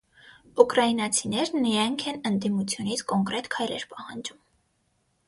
Ուկրաինացիներն իրենք են ընդդիմությունից կոնկրետ քայլեր պահանջում։